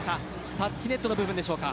タッチネットの部分でしょうか。